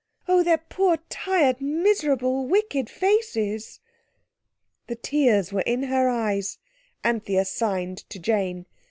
Oh! their poor, tired, miserable, wicked faces!" The tears were in her eyes. Anthea signed to Jane.